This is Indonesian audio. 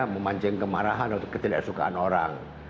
memancing kemarahan atau ketidaksukaan orang